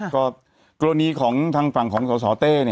แต่หนูจะเอากับน้องเขามาแต่ว่า